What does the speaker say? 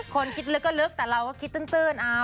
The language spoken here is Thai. คนคิดลึกก็ลึกแต่เราก็คิดตื้น